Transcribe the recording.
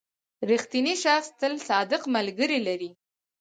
• رښتینی شخص تل صادق ملګري لري.